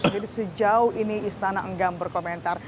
jadi sejauh ini istana enggam berkomentar